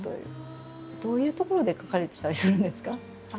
どういう所で書かれてたりするんですか？